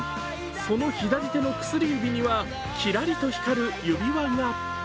その左手の薬指にはキラリと光る指輪が。